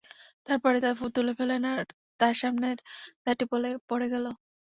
তারপর তা তুলে ফেললেন আর তার সামনের দাঁতটি পড়ে গেল।